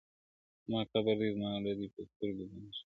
زما قبر دى زما زړه دى په سترگو باندې ښكل كړه ته~